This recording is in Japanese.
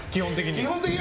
基本的に。